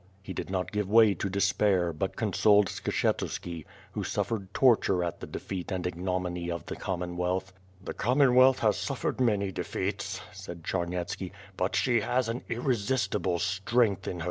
He did not give way to despair, but consoled Skshetuski, who suffered torture at the defeat and ignominy of the Common wealth. "The Commonwealth has suffered many defeats," said Charnyetski, "but she has an irresistible strength in her ^•ALMIGHTY GOD" .. W^/V* Fire and Sword.